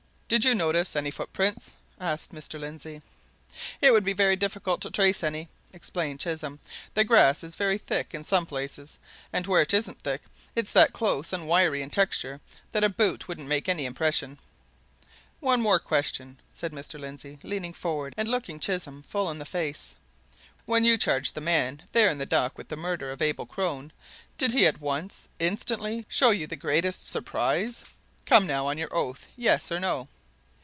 "Did you notice any footprints?" asked Mr. Lindsey. "It would be difficult to trace any," explained Chisholm. "The grass is very thick in some places, and where it isn't thick it's that close and wiry in texture that a boot wouldn't make any impression." "One more question," said Mr. Lindsey, leaning forward and looking Chisholm full in the face. "When you charged the man there in the dock with the murder of Abel Crone, didn't he at once instantly! show the greatest surprise? Come, now, on your oath yes or no?"